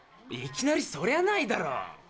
いきなりそりゃないだろ。